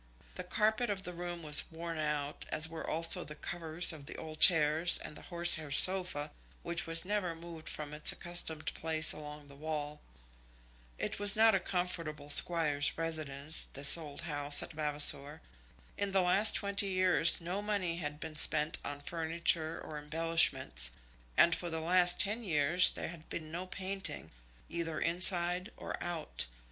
The carpet of the room was worn out, as were also the covers of the old chairs and the horsehair sofa which was never moved from its accustomed place along the wall. It was not a comfortable Squire's residence, this old house at Vavasor. In the last twenty years no money had been spent on furniture or embellishments, and for the last ten years there had been no painting, either inside or out.